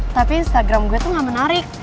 tapi instagram gue tuh gak menarik